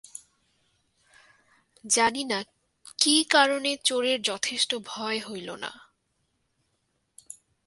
জানি না, কী কারণে চোরের যথেষ্ট ভয় হইল না।